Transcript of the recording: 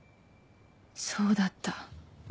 そうだった